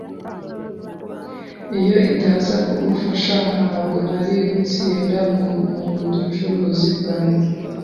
Iyo itaza kugufasha, ntabwo nari gutsinda mubucuruzi bwanjye.